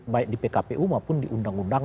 baik di pkpu maupun di undang undang